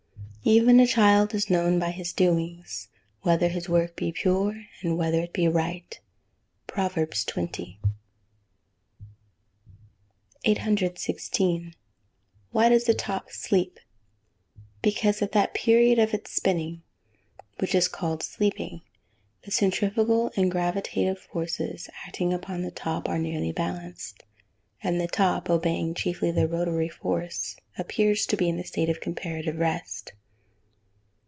[Verse: "Even a child is known by his doings, whether his work be pure, and whether it be right." PROVERBS XX.] 816. Why does a top "sleep?" Because at that period of its spinning, which is called "sleeping," the centrifugal and the gravitative forces acting upon the top, are nearly balanced; and the top, obeying chiefly the rotatory force, appears to be in a state of comparative rest.